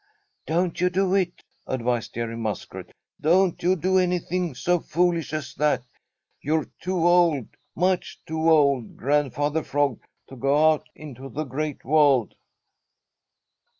"Don't you do it," advised Jerry Muskrat. "Don't you do anything so foolish as that. You're too old, much too old, Grandfather Frog, to go out into the Great World."